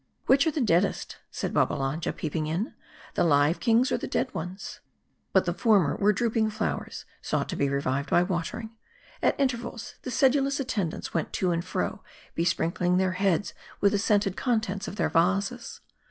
" Which are. the deadest ?" said Babbalanja, peeping in, " the live kings, or the dead ones ?" But the former were drooping flowers sought to be revived by watering. At intervals the sedulous attendants went to and fro, besprinkling their heads with the scented contents of their vases.